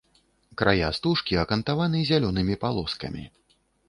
Края стужкі акантаваны зялёнымі палоскамі.